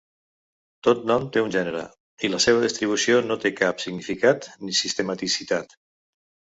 Tot nom té un gènere, i la seva distribució no té cap significat ni sistematicitat.